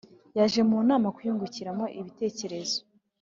yaje mu nama kuyungukiramo ibitekerezo